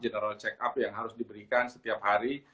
general check up yang harus diberikan setiap hari